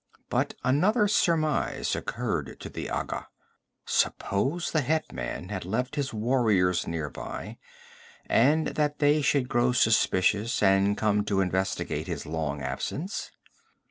But another surmise occurred to the Agha. Suppose the hetman had left his warriors near by, and that they should grow suspicious and come to investigate his long absence?